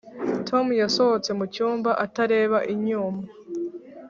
tom yasohotse mucyumba atareba inyuma.